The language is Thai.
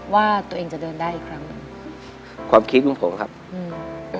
ว่าตัวเองจะเดินได้อีกครั้งหนึ่งความคิดของผมครับอืม